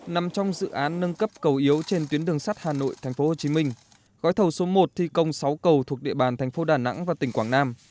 nằm trong dự án nâng cấp cầu yếu trên tuyến đường sắt hà nội tp hcm gói thầu số một thi công sáu cầu thuộc địa bàn thành phố đà nẵng và tỉnh quảng nam